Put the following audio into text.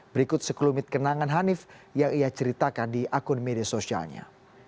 berikut sekelumit kenangan hanif yang ia ceritakan di akun media sosialnya